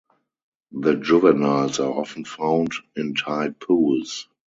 The juveniles are often found in tide pools.